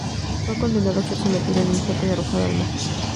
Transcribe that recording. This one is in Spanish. Fue condenado a ser metido en un saco y arrojado al mar.